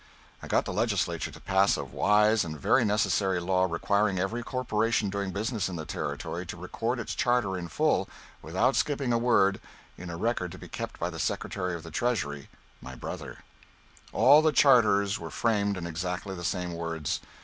I got the legislature to pass a wise and very necessary law requiring every corporation doing business in the Territory to record its charter in full, without skipping a word, in a record to be kept by the Secretary of the Territory my brother. All the charters were framed in exactly the same words.